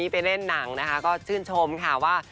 ไปเล่นหนังนะคะก็ชื่นชมค่ะว่า